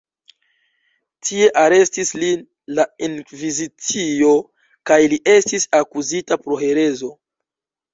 Tie arestis lin la inkvizicio kaj li estis akuzita pro herezo.